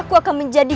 ke ruang pengobatan